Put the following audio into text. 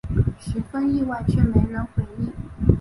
十分意外却没人回应